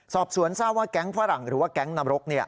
สอบสวนทราบว่าแก๊งฝรั่งหรือว่าแก๊งนรก